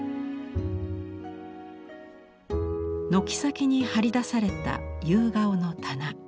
軒先に張り出された夕顔の棚。